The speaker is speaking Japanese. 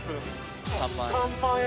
３万円。